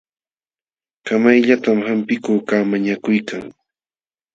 Kamayllatam hampikuqkaq mañakuykan.